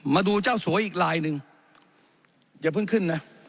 มาดูเจ้าสวยอีกลายหนึ่งอย่าเพิ่งขึ้นนะ